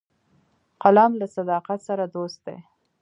قلم له صداقت سره دوست دی